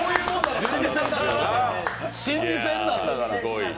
心理戦なんだから。